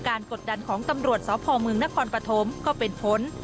กดดันของตำรวจสพเมืองนครปฐมก็เป็นผล